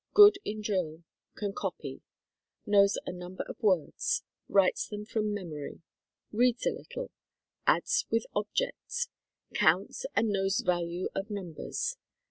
Good in drill. Can copy. Knows a number of words. Writes them from memory. Reads a little. Adds with objects. Counts and knows value of numbers.